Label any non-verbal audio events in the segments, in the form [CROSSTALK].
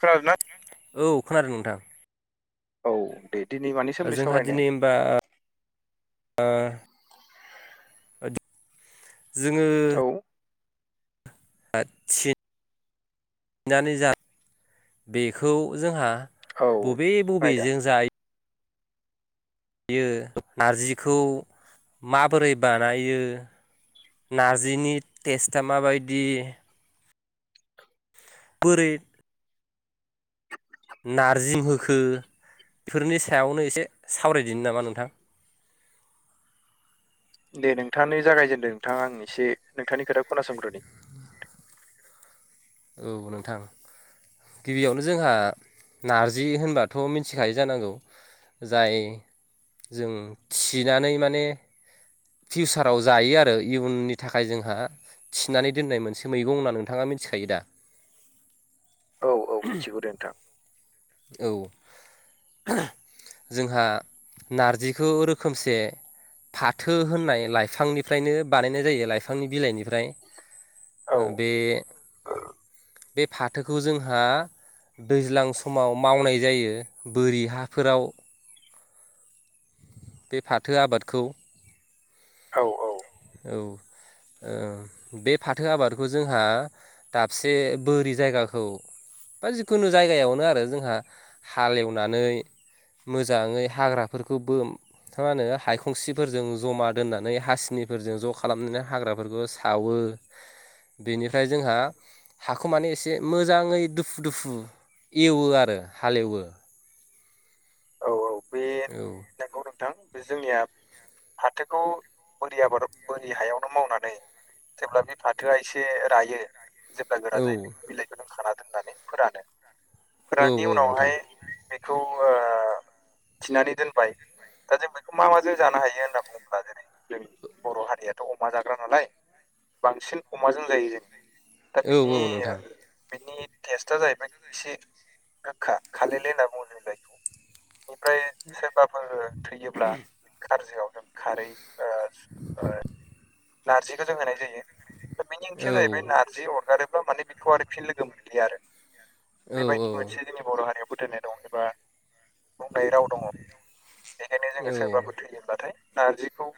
खोनादोंना औ खोनादों नोंथां औ बेेदिनि मानि सोमोन्दै जोंहा सावरायनो दिनै होनबा ओ जोङो औ आसि बेखौ जोंहा औ बबे आयदा बबेजों जायो यो नारजिखौ माबोरै बानायो नारजिनि टेस्टआ माबायदि बरै नारजिम होखो बेफोरनि सायावनो एसे सावरायदिनो नामा नोंथां दे नोंथाङानो जागायजेनदो नोंथाङा आं एसे नोंथांनि खोथा खोनासंग्रो द औ नोंथां गिबियावनो जोंहा नारजि होनबाथ' मिथिखायो जानांगौ जाय जों थिनानै माने फिउसाराव जायो आरो इयुननि थाखाय जोंहा थिनानै दोननाय मोनसे मैगं होनना नोंथाङा मिथिखायो दा औ औ मिथिगौ दे नोंथां औ जोंहा नारजिखौ रोखोमसे फाथो होननाय लाइफांनिफ्रायनो बानायनाय जायो लाइफांनि बिलाइनिफ्राय औ ओ बे बे फाथोखौ जोंहा दैज्लां समाव मावनाय जायो बोरि हाफोराव बे फाथो आबादखौ औ औ औ बे फाथो आबादखौ जोंहा दाबसे बोरि जायगाखौ बा जिखुनु जायगायावनो आरो जोंहा हालेवनानै मोजाङै हाग्राफोरखौबो थारमा होने हायखंसिफोरजों जमा दोननानै हासिनि फोरजों ज' खालामनानै हाग्राफोरखौ सावो बेनिफ्राय जोंहा हाखौ माने एसे मोजाङै दुफु दुफु एवो आरो हालेवो औ औ बे औ नंगौ नोंथां बे जोंनिया फाथोखौ बोरि आबाद बोरि हायावनो मावनानै जेब्ला बे फाथोआ एसे रायो जेब्ला गोरा औ जायो बेखौ बिलाइखौ लों खाना दोननानै फोरानो औ औ फोराननि नोंथां उनावहाय बेखौ ओ थिनानै दोनबाय दा जों बेखौ मा माजों जानो हायो होनना बुङोब्ला जेरै जों बर' हारियाथ' अमा जाग्रा नालाय बांसिन अमाजों जायो जोङो दा औ औ बिनि नोंथां बिनि टेस्टआ जाहैबाय एसे गोखा खालेले होनना बुङो जों जायखौ बेनिफ्राय सोरबाफोर थैयोब्ला खारजआव जों खारै ओ ओ नारजिखौ जों होनाय जायो औ मिनिंथिया जाहैबाय नार जि अरगारोब्ला माने बेखौ आरो फिन लोगो मोनलिया आरो औ औ बेबायदि मोनसे जोंनि बर' हारियाव फोथायनाय दं एबा बुंनाय राव दङ बेखायनो औ जोङो सोरबाफोर थैयोब्लाथाय नारजिखौ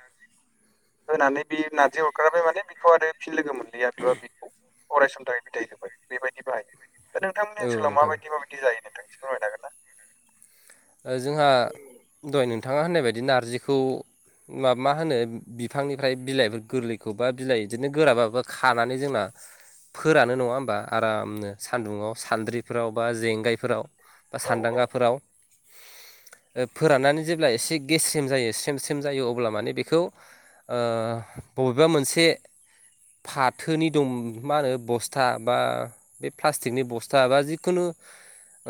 होनानै बे नारजि अरग्राबाय माने बेखौ आरो फिन लोगो मोनलिैया बेबा बेखौ अरायसमनि बिदाय होबाय बेबायदि बाहायो दा नोंथांनि औ ओनसोलाव नोंथां माबायदि माबायदि जायो नोंथांनिसो फोरमायनो हागोन ना जोंहा दहय नोंथाङा होननाय बायदि नारजिखौ मा मा होनो बिफांनिफ्राय बिलाइफोर गोरलैखौबा बिलाइ बिदिनो गोराबाबो खानानै जोंना फोरानो नङा होमबा आरामनो सान्दुङआव सान्द्रिफोराव बा जेंगायफोराव बा औ सानदांगाफोराव फोराननानै जेब्ला एसे गेस्रेम जायो स्रेम स्रेम जायो अब्ला माने बेखौ ओ बबेबा मोनसे फाथोनि दं मा होनो बस्था बा बे प्लासटिकनि बस्था बा जिखुनु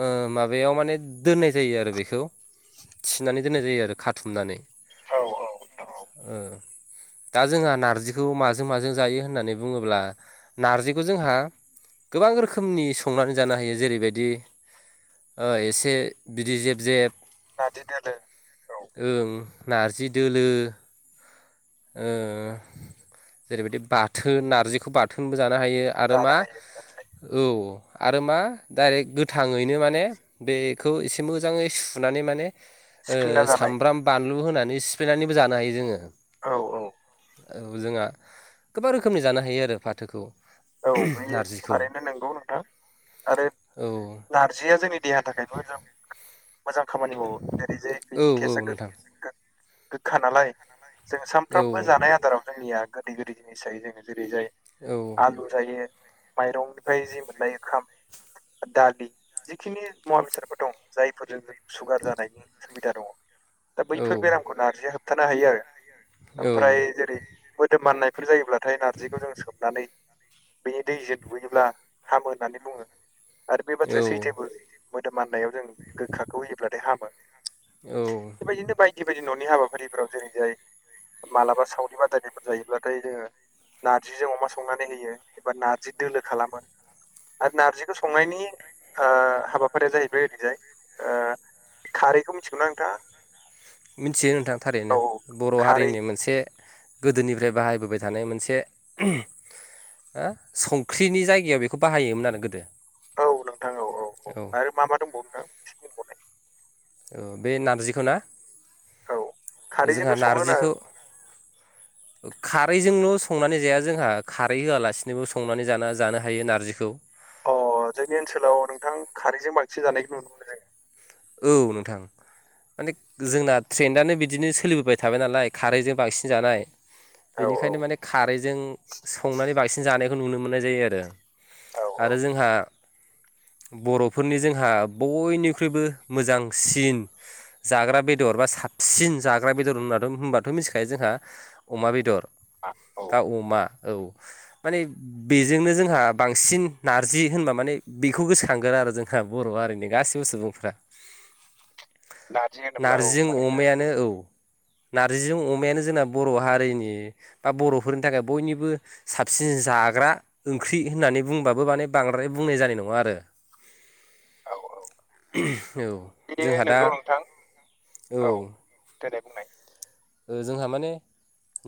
ओ माबायाव माने दोननाय जायो आरो बेखौ थिनानै दोननाय जायो आरो खाथुमनानै औ औ ओ दा जोंहा नार्जिखौ माजों माजों जायो होननानै बुङोब्ला नार्जिखौ जोंहा गोबां रोखोमनि संनानै जानो हायो जेरैबायदि ओ एसे बिदै जेब जेब नारजि दोलो औ ओं नारजि दोलो ओ जेरैबायदि बाथोन नारजिखौ बाथोनबो जानो हायो आरो मा जानो हायो जानो हायो औ आरो मा डाइरेक्ट गोथाङैनो माने बेखौ एसे मोजाङै सुनानै माने ओ सिफ्लेना जानाय सामब्राम बानलु होनानै सिफ्लेनानैबो जानो हायो जोङो औ औ औ जोंहा गोबां रोखोमनि जानो हायो आरो फाथोखौ औ बै नारजिखौ थारैनो नंगौ नोंथां आरो औ नारजिया जोंनि देहानि थाखाय बेबो जों मोजां खामानि मावो जेरै जे औ बिनि औ थेस्तआ गो नोंथां गोखा नालाय जों औ सानफ्रामबो जानाय आदाराव जोंनिया गोदै गोदै जिनिस जायो जोङो जेरै जाय औ जायो माइरंनिफ्राय जि मोननाय ओंखाम दालि जिखिनि मुवा बेसादफोर दं जायफोरजों जों सुगार जानायनि सुबिदा दङ दा बैफोर बेरामखौ नारजिया होबथानो हायो आरो औ ओमफ्राय जेरै मोदोम माननायफोर जायोब्लाथाय नारजिखौ जों सोमनानै बेनि दैजों दुगैनोब्ला हामो होननानै बुङो आरो बे बाथ्राया सैथायोबो औ मोदोम माननायाव जों गोखाखौ होयोब्लाथाय हामो औ बेबायदिनो बायदि बेबायदि न'नि हाबाफारिफोराव जेरै जाय मालाबा सावरि बादायनायफोर जायोब्लाथाय जोङो नारजिजों अमा संनानै होयो एबा नारजि दोलो खालामो आरो नार्जिखौ संनायनि ओ हाबाफारिया जाहैबाय ओरैजाय ओ खारैखौ मिथिगौना नोंथाङा मिथियो नोंथां थारैनो औ बर' खारै हारिनि मोनसे गोदोनिफ्राय बाहायबोबाय थानाय मोनसे हो संख्रिनि जायगायाव बेखौ बाहायोमोन आरो गोदो औ नोंथां औ औ औ आरो मा मा दंबावो नोंथां एसे बुंबावनाय बे नारजिखौना औ जोंहा खारैजोंथ' सङो ना नारजिखौ [INAUDIBLE] खारैजोंल संनानै जाया जोंहा खारै होआलासिनोबो संनानै जाना जानो हायो नारजिखौ अ जोंनि ओनसोलाव नोंथां खारैजों बांसिन जानायखौ नुनो मोनो जोङो औ नोंथां माने जोंना ट्रेन्डानो बिदिनो सोलिबोबाय थाबाय नालाय खारैजों बांसिन जानाय औ बेनिखायनो माने खारैजों संनानै बांसिन जानायखौ नुनो मोननाय जायो आरो औ औ आरो जोंहा बर'फोरनि जोंहा बयनिख्रुइबो मोजांसिन जाग्रा बेदर बा साबसिन जाग्रा बेदर होननानै होनबाथ' मिथिखायो जोंहा अमा बेदर आ औ दा अमा औ माने बेजोंनो जोंहा बांसिन नारजि होनबा माने बेखौ गोसोखांगोन आरो जोंहा बर' हारिनि गाससिबो सुबुंफ्रा नारजि होनोब्ला औ नारजिं थारैनो नंगौ अमायानो नोंथां। औ नारजिजों अमायानो जोंना बर' हारिनि बा बर'फोरनि थाखाय बयनिबो साबसिन जाग्रा ओंख्रि होननानै बुंबाबो माने बांद्राय बुंनाय जानाय नङा आरो [INAUDIBLE] औ औ औ बेयो जोंहा दा नंगौ औ दे दे बुंनाय ओ जोंहा माने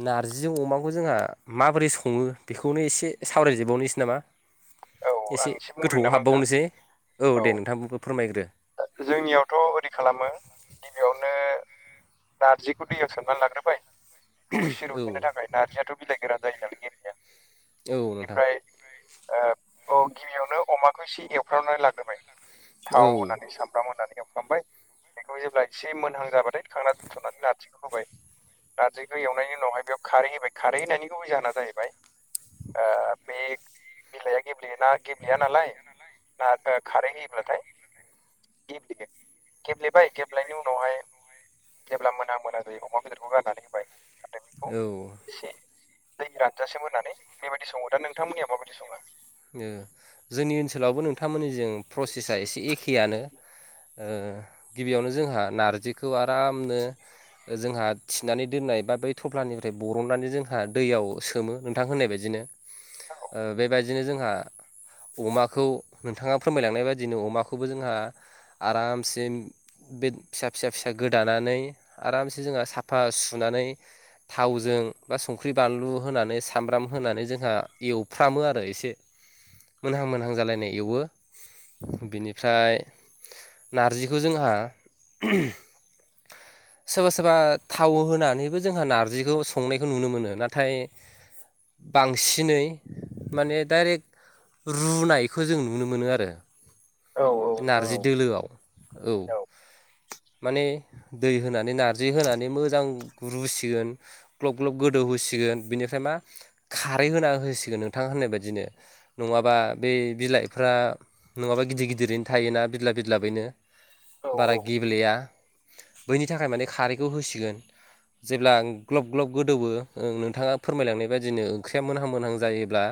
नार्जिजों अमाखौ जोंहा माबोरै सङो बेखौनो एसे सावरायजोबबावनोसै नामा औ आं एसे बुंग्रोनो गोथौआव नामा नोंथां हाबबावनोसै औ दे नोंथांबो फोरमायग्रो जोंनियावथ' ओरै खालामो गिबियावनो नारजिखौ दैयाव सोमनानै लाग्रोबाय बेखौ एसे औ रुयहोननो थाखाय नारजियाथ' बिलाइ गोरान जायो नालाय गेब्लेया औ नोंथां बेनिफ्राय ओ औ गिबियावनो अमाखौ एसे एवफ्रावनानै लाग्रोबाय औ थाव होननानै सामब्राम होनानै एवफ्रामबाय बेखौ जेब्ला एसे मोनहां जाबाथाय थांना दोनथ'नानै नारजिखौ होबाय नारजिखौ एवनायनि उनावहाय बेयाव खारै होबाय खारै हैायनि गुबै जाहोना जाहैबाय ओ बे बिलाइआ गेब्लेयोना गेब्लेया नालाय ना ओ खारै होयोब्लाथाय गेब्लेयो गेब्लेबाय गेबलायनि उनावहाय जेब्ला मोना मोना जायो अमा बेदरखौ गारनानै होबाय आरो बेखौ औ एसे दै रानजासिम होनानै बेबायदि सङो दा नोंथांमोननिया माबायदि सङो ओ जोंनि ओनसोलावबो नोंथांमोननि जों प्रसेसा एसे एखेयानो गिबियावनो जोंहा नारजिखौ आरामनो जोंहा थिनानै दोननाय बा बै थफ्लानिफ्राय बरननानै जोंहा दैयाव सोमो नोंथां होननाय बायदिनो ओ बेबायदिनो जोंहा अमाखौ नोंथाङा फोरमायलांनाय बायदिनो अमाखौबो जोंहा आरामसे बे फिसा फिसा फिसा गोदानानै आरामसे जोंहा साफा सुनानै थावजों बा संख्रि बानलु होनानै सामब्राम होनानै जोंहा एवफ्रामो आरो ए से मोनहां मोनहां जालायनाय एवो बेनिफ्राय नारजिखौ जोंहा सोरबा सोरबा थाव होनानैबो जोंहा नारजिखौ संनायखौ नुनो मोनो नाथाय बांसिनै माने डाइरेक्ट रुनायखौ जों नुनो मोनो आरो औ नोंथां नारजि दोलोआव औ माने दै होनानै नारजि होनानै मोजां रुसिगोन ग्लब ग्लब गोदौ होसिगोन बिनिफ्राय मा खारै होना होसिगोन नोंथाङा होननाय बाय दिनो नङाबा बे बिलाइफ्रा नङाबा गिदिर गिदिरैनो थायोना बिदलाब बिदलाबयैनो औ बारा गेब्लेया बैनि थाखाय माने खारैखौ होसिगोन जेब्ला ग्लब ग्लब गोदौवो नोंथाङा फोरमायलांनाय बायदिनो ओंख्रिया मोनहां मोनहां जायोब्ला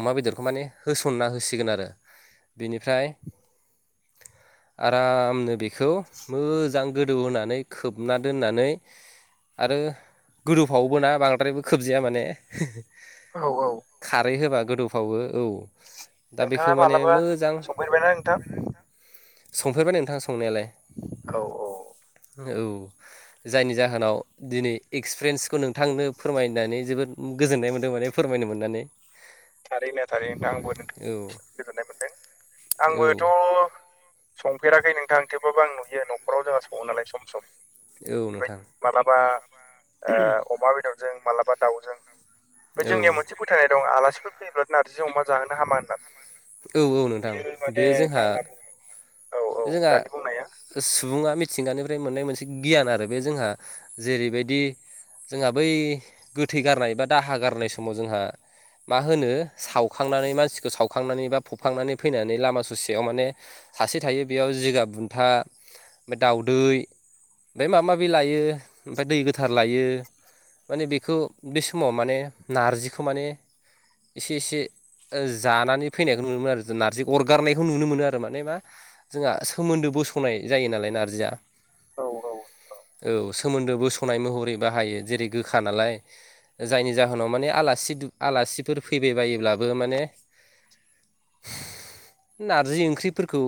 अमा बेदरखौ माने होसनना होसिगोन आरो बिनिफ्राय आरामनो बेखौ मोजां गो दौ होनानै खोबना दोननानै आरो गोदौफावोबोना बांद्रायबो खोबजाया माने औ औ खारै होबा गोदौफ्रावो औ दा बेखौ माने मोजां जायना नोंथां संफेरबाय नोंथां संनायालाय औ औ औ। जायनि जाहोनाव दिनै एक्सपिरियेन्सखौ नोंथांनो फोरमायनानै जोबोद। गोजोननाय मोनदों माने फोरमायनो मोननानै थारैनो थारैनो नोंथां आंबो औ गोजोननाय मोनदों औ आंबोथ' संफेराखै नोंथांं थेवबाबो आं नुयो न'खराव जोंहा सङो नालाय सम सम औ बेबाय नोंथां मालाबा अमा ओ बेदरजों मालाबा दाउजों बे औ जोंनियाव मोनसे। फोथायनाय दं आलासिफोर फैयोब्ला नारजि अमा जाहोनो हामा होननानै। औ औ नोंथां बिदिनो बे माने मा जोंहा होनना बुङो। औ औ जोंहा दानि बुंनाया सुबुङा मिथिंगानिफ्राय मोननाय मोनसे गियान आरो बे जोंहा जेरैबायदि जोंहा बै गोथै गारनाय बा दाहा गारनाय समाव जोंहा मा होनो सावखांनानै मानसिखौ सावखांनानै बा फुखांनानै फैनानै लामा ससेयाव माने। सासे थायो बेयाव जिगा बुन्था ओमफ्राय दाउदै ओमफ्राय माबा माबि लायो ओमफ्राय दै गोथार लायो। माने बेखौ बे समाव माने नारजिखौ माने एसे एसे जानानै फैनायखौ नुनो मोनो आरो नारजि अरगारनायखौ नुनो मोनो आरो माने मा। जोंहा सोमोन्दो बोस'नाय जायो नालाय नारजिया औ औ औ। सोमोनदो बोस'नाय महरै बाहायो जेरै गोखा नालाय जायनि जाहोनाव माने आलासि आलासिफोर फैबायबायोब्लाबो माने। नारजि ओंख्रिफोरखौ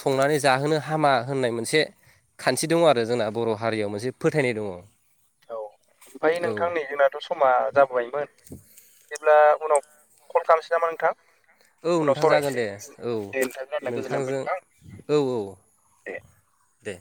संनानै जाहोनो हामा होननाय मोनसे खानथि दङ आरो जोंना बर' हारियाव मोनसे फोथायनाय दङ औ ओमफ्राय नोंथां नै जोंना दाथ' समा जाबोबायमोन जेब्ला उनाव कल खालामनोसै नामा नोंथां। औ उनाव नोंथां जागोन सावरायनोसै दे औ दे नोंथा जाय गोजोननाय मोनो नोंथांजों नोंथां औ औ दे दे